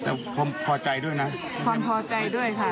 แต่พอใจด้วยนะความพอใจด้วยค่ะ